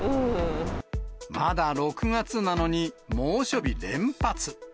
まだ６月なのに、猛暑日連発。